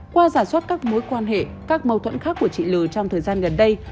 qua giả soát các mối quan hệ các mâu thuẫn khác của chị t d l trong thời gian gần đây